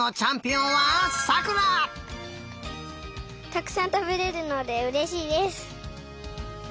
たくさんたべれるのでうれしいです！